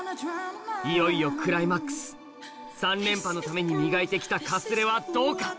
いよいよクライマックス３連覇のために磨いて来たかすれはどうか？